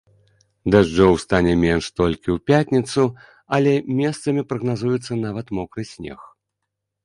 Дажджоў стане менш толькі ў пятніцу, але месцамі прагназуецца нават мокры снег.